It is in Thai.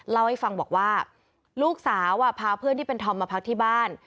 เล่าให้ฟังบอกว่าลูกสาวพาเพื่อนที่เป็นธอมมาพักที่บ้าน